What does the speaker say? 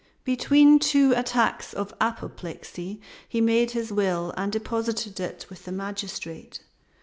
Between two attacks of apoplexy he made his will and deposited it with the magistrate.